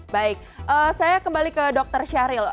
baik saya kembali ke dokter syahril